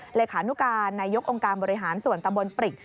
เลขานุการนายกองค์การบริหารส่วนตำบลปริก